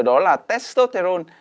đó là testosterone